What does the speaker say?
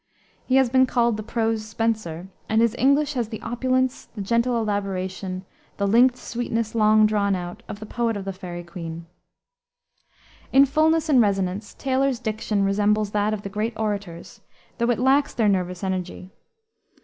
He has been called the prose Spenser, and his English has the opulence, the gentle elaboration, the "linked sweetness long drawn out" of the poet of the Faery Queene. In fullness and resonance, Taylor's diction resembles that of the great orators, though it lacks their nervous energy.